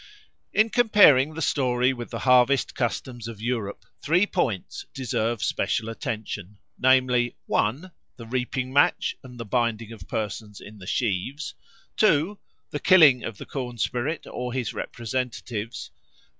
In comparing the story with the harvest customs of Europe, three points deserve special attention, namely: I. the reaping match and the binding of persons in the sheaves; II. the killing of the corn spirit or his representatives; III.